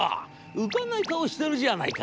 浮かない顔してるじゃないか。